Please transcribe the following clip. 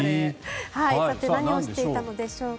さて何をしていたのでしょうか。